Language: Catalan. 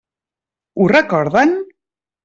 Ho recorden?